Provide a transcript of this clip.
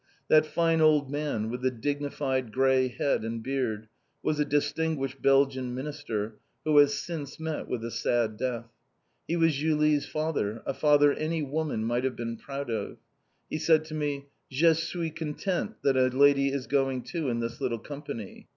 That fine old man, with the dignified grey head and beard, was a distinguished Belgian minister, who has since met with a sad death. He was Julie's father, a father any woman might have been proud of. He said to me, "Je suis content that a lady is going too in this little company.